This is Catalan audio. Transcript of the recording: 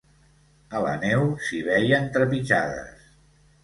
A la neu, s'hi veien trepitjades.